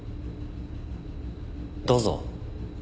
どうぞ。